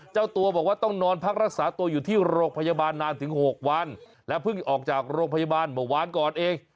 เจ้าตัวบอกว่าต้องนอนพักรักษาตัวอยู่ที่โรงพยาบาลนานถึง๖วันและเพิ่งออกจากโรงพยาบาลเมื่อวานก่อนเอง